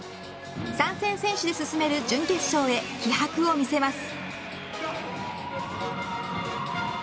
３戦先取で進める準決勝へ気迫を見せます。